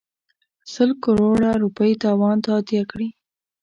سل کروړه روپۍ تاوان تادیه کړي.